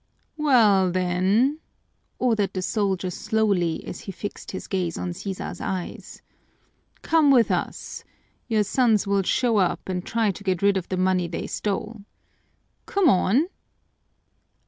"Well then," ordered the soldier slowly, as he fixed his gaze on Sisa's eyes, "come with us. Your sons will show up and try to get rid of the money they stole. Come on!"